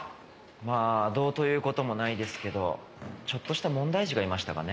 まあどうという事もないですけどちょっとした問題児がいましたかね。